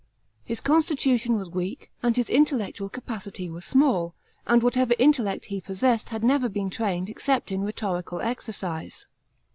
* His constitution was weak, and his intellectual capacity was small; and whatever intellect he possessed had never heen trained, except in rhetorical exercise.